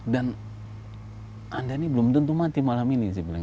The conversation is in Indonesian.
dan anda ini belum tentu mati malam ini saya bilang